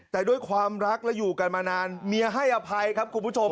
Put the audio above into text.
แต่ด้วยความรักและอยู่กันมานานเมียให้อภัยครับคุณผู้ชม